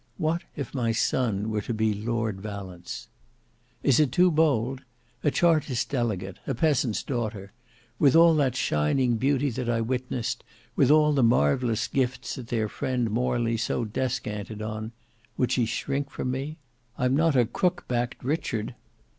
What if my son were to be Lord Valence? "Is it too bold? A chartist delegate—a peasant's daughter. With all that shining beauty that I witnessed, with all the marvellous gifts that their friend Morley so descanted on,—would she shrink from me? I'm not a crook backed Richard.